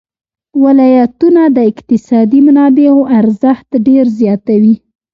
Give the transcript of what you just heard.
ولایتونه د اقتصادي منابعو ارزښت ډېر زیاتوي.